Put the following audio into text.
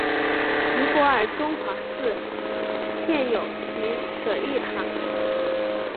尼泊尔中华寺建有其舍利塔。